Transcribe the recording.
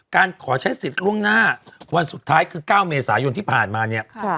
การขอใช้สิทธิ์ล่วงหน้าวันสุดท้ายคือ๙เมษายนที่ผ่านมาเนี่ย